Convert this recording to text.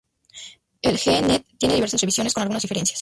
El G-Net tiene diversas revisiones con algunas diferencias.